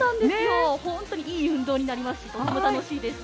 本当にいい運動になりますし楽しいです。